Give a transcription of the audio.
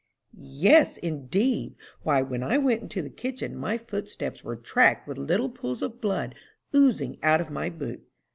"Yes, indeed! Why, when I went into the kitchen, my footsteps were tracked with little pools of blood, oozing out of my boot.